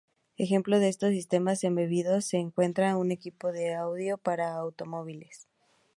Ejemplos de estos sistemas embebidos se encuentran en equipos de audio para automóviles.